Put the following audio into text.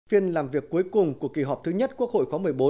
phiên làm việc cuối cùng của kỳ họp thứ nhất quốc hội khóa một mươi bốn